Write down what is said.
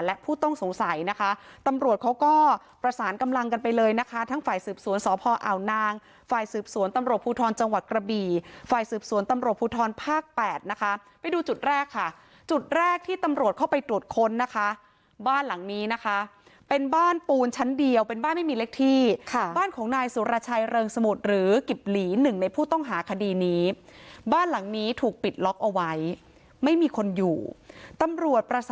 ศึกษวนตำรวจภูทรจังหวัดกระบีฝ่ายศึกษวนตำรวจภูทรภาคแปดนะคะไปดูจุดแรกค่ะจุดแรกที่ตำรวจเข้าไปตรวจค้นนะคะบ้านหลังนี้นะคะเป็นบ้านปูนชั้นเดียวเป็นบ้านไม่มีเล็กที่ค่ะบ้านของนายสุรชัยเริงสมุทรหรือกิบหลีหนึ่งในผู้ต้องหาคดีนี้บ้านหลังนี้ถูกปิดล็อกเอาไว้ไม่มีคนอยู่ตำร